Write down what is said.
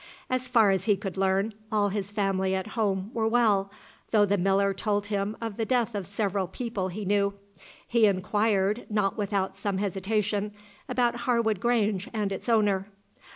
As far as he could learn, all his family at home were well, though the miller told him of the death of several people he knew. He inquired, not without some hesitation, about Harwood Grange and its owner.